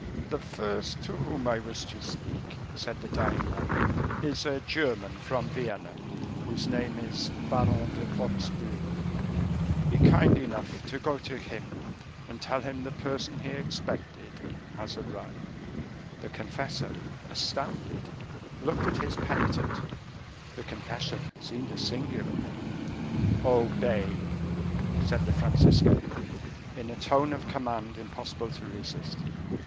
"The first to whom I wish to speak," said the dying man, "is a German from Vienna, whose name is Baron de Wostpur. Be kind enough to go to him, and tell him the person he expected has arrived." The confessor, astounded, looked at his penitent; the confession seemed a singular one. "Obey," said the Franciscan, in a tone of command impossible to resist.